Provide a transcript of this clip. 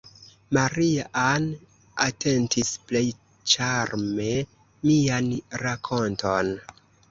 Maria-Ann atentis plej ĉarme mian rakonton.